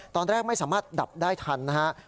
ตอนแรกไม่สามารถดับได้ทันนะฮะ